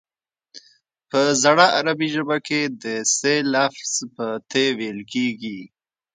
په زړه عربي ژبه کې د ث لفظ په ت ویل کیږي